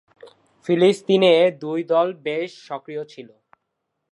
ফিলিস্তিনে দুটি দল বেশ সক্রিয়।